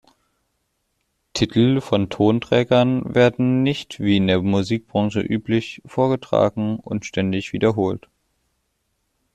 Titel von Tonträgern werden nicht, wie in der Musikbranche üblich, vorgetragen und ständig wiederholt.